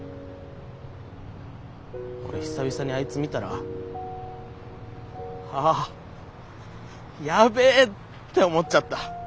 俺久々にあいつ見たらああやべえって思っちゃった。